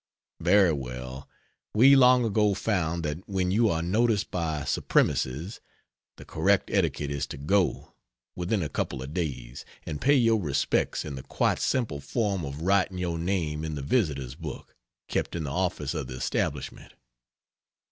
Very well, we long ago found that when you are noticed by supremacies, the correct etiquette is to go, within a couple of days, and pay your respects in the quite simple form of writing your name in the Visitors' Book kept in the office of the establishment.